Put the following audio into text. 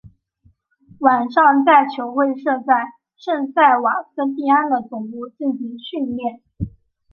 晚上在球会设在圣塞瓦斯蒂安的总部进行训练。